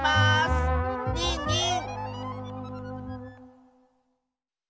ニンニン！